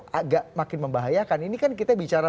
agak makin membahayakan ini kan kita bicara